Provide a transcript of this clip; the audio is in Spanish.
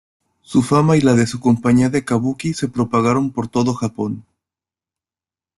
Su fama y la de su compañía de kabuki se propagaron por todo Japón.